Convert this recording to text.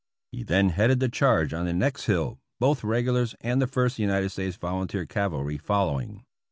He then headed the charge on the next hill, both regulars and the First United States Volunteer Cavalry following.